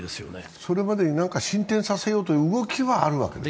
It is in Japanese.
それまでに進展させようという動きはあるんですか？